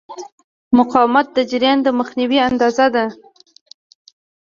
مقاومت د جریان د مخنیوي اندازه ده.